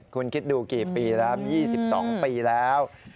คุณคิดดูกี่ปีแล้ว๒๒ปีแล้ว